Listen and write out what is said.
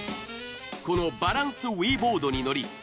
このバランスＷｉｉボードに乗り